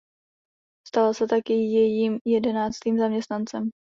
Stala se tak jejím jedenáctým zaměstnancem.